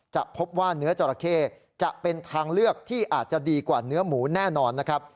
จะพบว่าเนื้อจราเข้จะเป็นทางเลือกที่อาจจะดีกว่าเนื้อหมูแน่นอนนะครับ